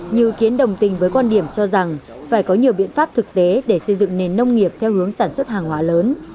nhiều ý kiến đồng tình với quan điểm cho rằng phải có nhiều biện pháp thực tế để xây dựng nền nông nghiệp theo hướng sản xuất hàng hóa lớn